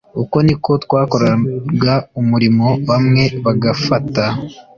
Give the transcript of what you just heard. uko ni ko twakoraga umurimo bamwe bagafata